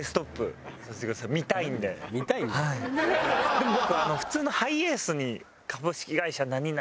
でも僕。